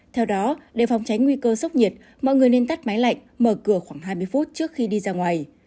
theo đó để phòng tránh nguy cơ sốc nhiệt mọi người nên tắt máy lạnh mở cửa khoảng hai mươi phút trước khi đi ra ngoài